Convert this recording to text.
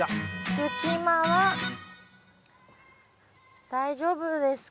隙間は大丈夫ですかね。